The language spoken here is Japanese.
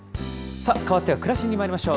さあ、変わってはくらしりにまいりましょう。